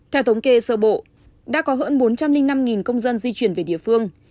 theo thống kê sơ bộ đã có hơn bốn trăm linh năm công dân di chuyển về địa phương